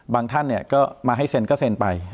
บางท่านก็มาให้เซนก็เซนไป